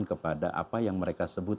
kepada apa yang mereka sebut